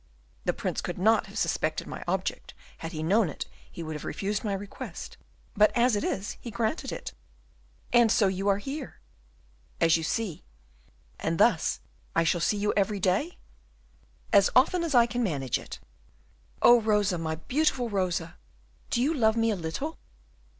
The Prince could not have suspected my object; had he known it, he would have refused my request, but as it is he granted it." "And so you are here?" "As you see." "And thus I shall see you every day?" "As often as I can manage it." "Oh, Rosa, my beautiful Rosa, do you love me a little?"